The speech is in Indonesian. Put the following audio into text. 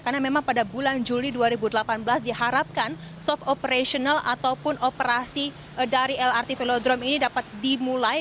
karena memang pada bulan juli dua ribu delapan belas diharapkan soft operational ataupun operasi dari lrt velodrome ini dapat dimulai